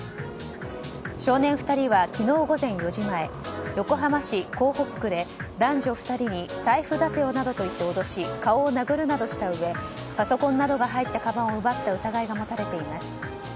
少年２人は昨日午前４時前横浜市港北区で男女２人に財布出せよなどと言って脅し顔を殴るなどしたうえパソコンなどが入ったかばんを奪った疑いが持たれています。